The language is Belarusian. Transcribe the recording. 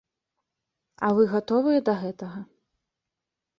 А вы гатовыя да гэтага?